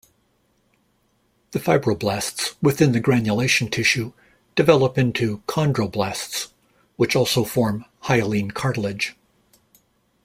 The fibroblasts within the granulation tissue develop into chondroblasts which also form hyaline cartilage.